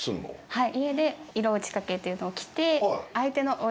はい。